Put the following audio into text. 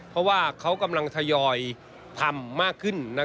เพราะว่าเขากำลังทยอยทำมากขึ้น